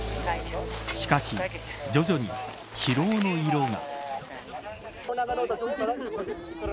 しかし、徐々に疲労の色が。